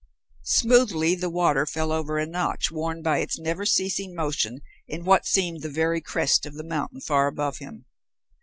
Smoothly the water fell over a notch worn by its never ceasing motion in what seemed the very crest of the mountain far above him.